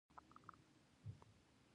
رباب ولې د افغانانو ساز دی؟